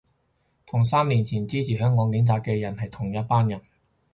同三年前支持香港警察嘅係同一班人